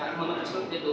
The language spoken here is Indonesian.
tata kanan menu seperti itu